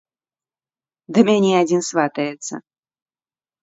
Да мяне адзін сватаецца.